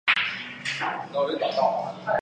富勒姆大道站是伦敦地铁的一个车站。